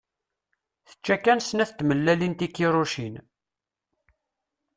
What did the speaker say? Tečča kan snat tmellalin tikiṛucin.